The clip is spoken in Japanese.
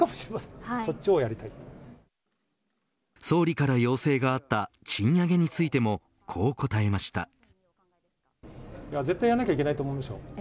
総理から要請があった賃上げについてもこう答えました。